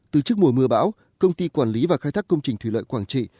từ trước mùa mưa bão công ty quản lý và khai thác công trình thủy lợi quảng trị